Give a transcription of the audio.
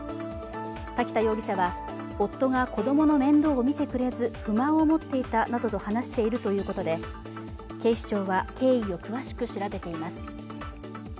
瀧田容疑者は、夫が子供の面倒を見てくれず不満を持っていたなどと話しているということで警視庁は経緯を詳しく調べています。